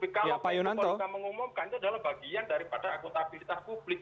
kalau mereka mengumumkan itu adalah bagian daripada akuntabilitas publik